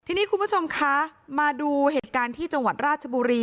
ทีนี้คุณผู้ชมคะมาดูเหตุการณ์ที่จังหวัดราชบุรี